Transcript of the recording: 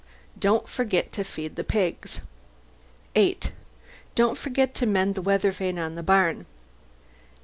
Don't forget to feed the pigs. 8. Don't forget to mend the weathervane on the barn.